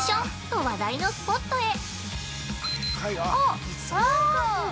と話題のスポットへ。